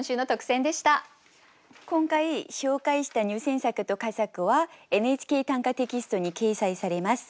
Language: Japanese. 今回紹介した入選作と佳作は「ＮＨＫ短歌」テキストに掲載されます。